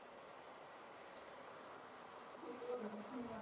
Inside "A", the product "K" lies as a discrete subgroup.